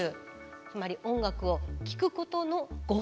つまり音楽を聴くことのご褒美。